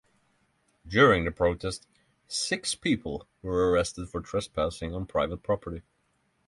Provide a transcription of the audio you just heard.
During the protest, six people were arrested for trespassing on private property.